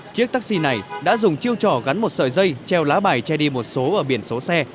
chiếc taxi này đã dùng chiêu trò gắn một sợi dây treo lá bài che đi một số ở biển số xe